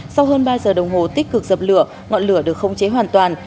sau hơn ba giờ đồng hồ tích cực dập lửa ngọn lửa được khống chế hoàn toàn